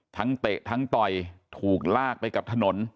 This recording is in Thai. เตะทั้งต่อยถูกลากไปกับถนน